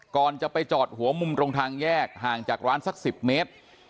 ก่อนจะไปจอดหัวมุมตรงทางแยกห่างจากร้านสัก๑๐เมตร